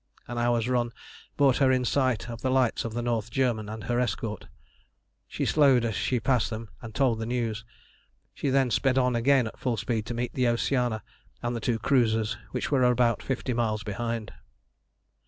An hour's run brought her in sight of the lights of the North German and her escort. She slowed as she passed them, and told the news. Then she sped on again at full speed to meet the Oceana and the two cruisers, which were about fifty miles behind.